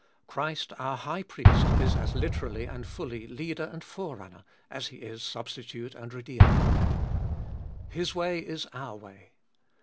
Christ our High Priest is as literally and fully Leader and Forerunner as He is Substitute and Redeemer. His way is our way.